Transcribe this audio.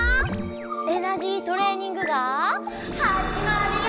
エナジートレーニングがはじまるよ！